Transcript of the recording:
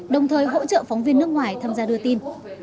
đồng thời hỗ trợ phóng viên nước ngoài tham gia đưa tin